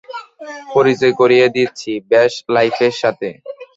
পরিচয় করিয়ে দিচ্ছি ব্যাশ লাইফের সাথে।